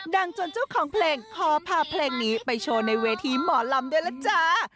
จนเจ้าของเพลงขอพาเพลงนี้ไปโชว์ในเวทีหมอลำด้วยล่ะจ้า